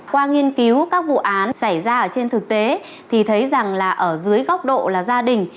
qua nghiên cứu các vụ án xảy ra ở trên thực tế thì thấy rằng là ở dưới góc độ là gia đình